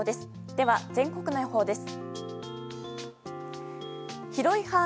では、全国の予報です。